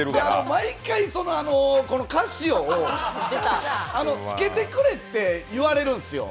毎回、カシオをつけてくれって言われるんですよ。